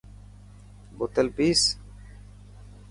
بوتل پئي.